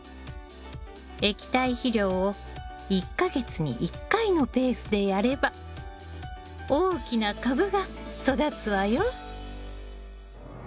液体肥料を１か月に１回のペースでやれば大きな株が育つわよ。